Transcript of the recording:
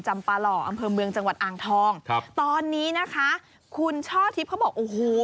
อำเภอเมืองจังหวัดอ่างทองตอนนี้นะคะคุณช่อทิพย์เขาบอกโอ้โห